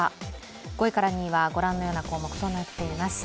５位から２位にはご覧のような項目となっています。